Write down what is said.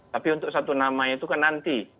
tapi untuk satu nama itu kan nanti